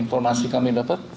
informasi kami dapat